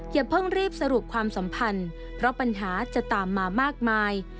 อย่าเพิ่งรีบสรุปความสัมพันธ์เพราะปัญหาจะตามมามากมาย